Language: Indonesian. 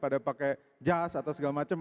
pada pakai jas atau segala macam